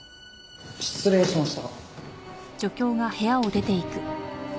失礼しました。